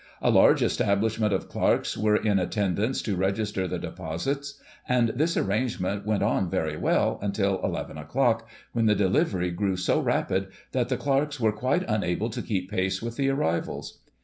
A large estabhshment of clerks Digitized by Google 1845] DEPOSIT OF PLANS. 283 were in attendance to register the deposits ; and this arrange ment went on very well, until eleven o'clock, when the de livery grew so rapid, that the clerks were quite unable to keep pace with the arrivals.